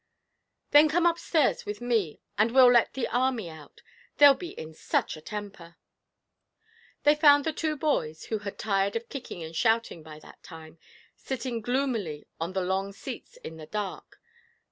'Then come upstairs with me, and we'll let the army out. They'll be in such a temper!' They found the two boys, who had tired of kicking and shouting by that time, sitting gloomily on the long seats in the dark.